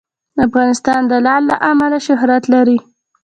افغانستان د لعل له امله شهرت لري.